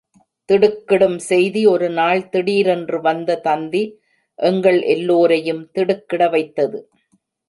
திடுக்கிடும் செய்தி ஒருநாள் திடீரென்று வந்த தந்தி எங்கள் எல்லோரையும் திடுக்கிட வைத்தது.